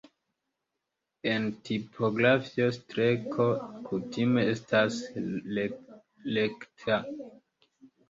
En tipografio streko kutime estas rekta.